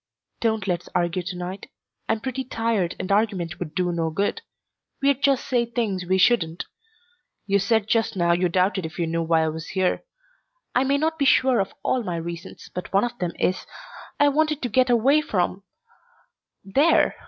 "Don't let's argue to night. I'm pretty tired and argument would do no good. We'd just say things we shouldn't. You said just now you doubted if you knew why I was here. I may not be sure of all my reasons, but one of them is, I wanted to get away from there."